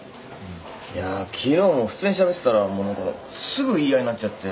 いや昨日も普通にしゃべってたらもう何かすぐ言い合いになっちゃって。